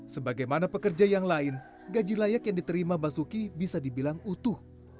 sebagaimana pekerja yang lain gaji layak yang diterima basuki bisa dibilang utuh